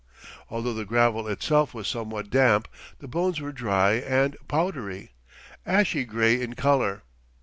Although the gravel itself was somewhat damp the bones were dry and powdery, ashy gray in color.